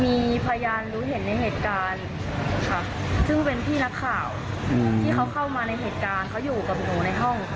มีพยานรู้เห็นในเหตุการณ์ค่ะซึ่งเป็นพี่นักข่าวที่เขาเข้ามาในเหตุการณ์เขาอยู่กับหนูในห้อง